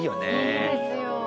いいですよ。